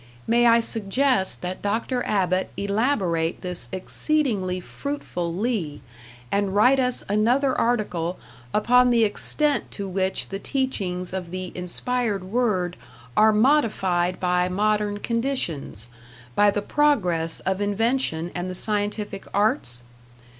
May I suggest that Dr. Abbott elaborate this exceedingly fruitful lea, and write us another article upon the extent to which the teachings of the Inspired Word are modified by modern conditions, by the progress of invention and the scientific arts?